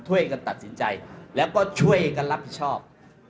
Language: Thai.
ช่วยกันตัดสินใจแล้วก็ช่วยกันรับผิดชอบ